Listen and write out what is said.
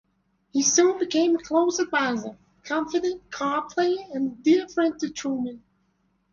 He soon became a close advisor, confidant, card player, and dear friend to Truman.